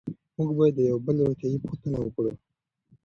موږ باید د یو بل روغتیایي پوښتنه وکړو.